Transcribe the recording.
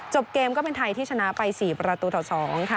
เกมก็เป็นไทยที่ชนะไป๔ประตูต่อ๒ค่ะ